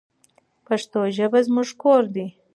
پښتو ژبه زموږ کور دی.